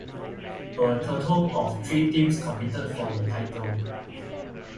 A total of three teams competed for the title.